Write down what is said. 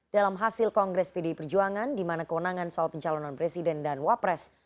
dalam hasil kongres pdi perjuangan di mana kewenangan soal pencalonan presiden dan wapres